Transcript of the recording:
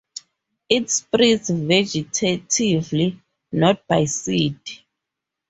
It spreads vegetatively, not by seed.